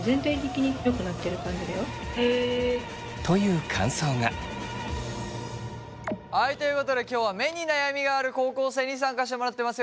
という感想が。ということで今日は目に悩みがある高校生に参加してもらってます。